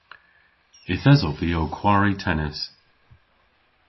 Yth esov vy ow kwari tennis.